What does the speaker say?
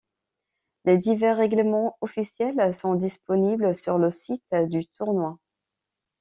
Les divers règlements officiels sont disponibles sur le site du tournoi.